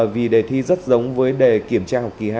vì đề thi rất giống với đề kiểm tra học kỳ hai